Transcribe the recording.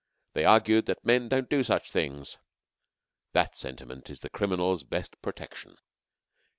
They argued that 'men don't do such things.' That sentiment is the criminal's best protection."